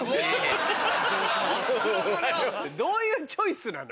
どういうチョイスなの？